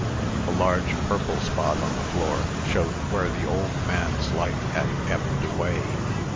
A large purple spot on the floor showed where the old man's life had ebbed away.